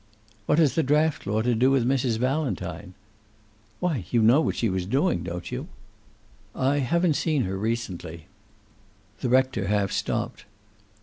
"What has the draft law to do with Mrs. Valentine?" "Why, you know what she was doing, don't you?" "I haven't seen her recently." The rector half stopped.